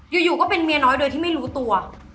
อยู่ก็เป็นเมียน้อยโดยที่ไม่รู้ตัว